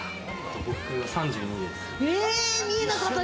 僕、３２です。